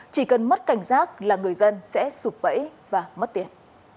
chỉ cần mất cảnh giác là người dân sẽ sụp bẫy và mất tiền